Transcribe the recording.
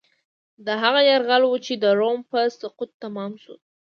دا هغه یرغل و چې د روم په سقوط تمام شو.